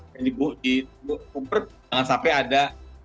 yang dikumpul jangan sampai ada